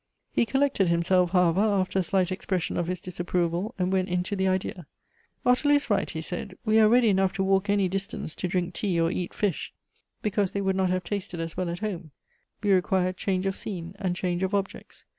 He collected himself, however, after a slight expression of his disapproval, find went into the idea. " Ottilie is right," he said ; we ai e ready enough to walk any distance to drink tea or eat fish, because they would not have tasted as well at home — we require change of scene and change of objects.